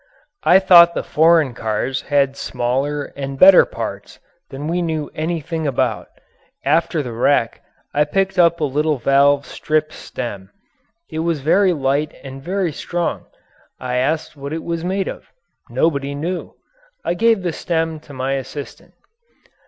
I thought the foreign cars had smaller and better parts than we knew anything about. After the wreck I picked up a little valve strip stem. It was very light and very strong. I asked what it was made of. Nobody knew. I gave the stem to my assistant.